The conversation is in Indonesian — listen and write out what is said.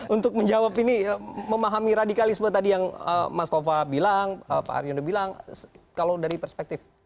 untuk menjawab ini memahami radikalisme tadi yang mas tova bilang pak aryono bilang kalau dari perspektif